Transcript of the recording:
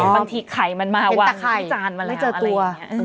บางทีไขมันมาวางที่จานมาแล้วไปเจอตัว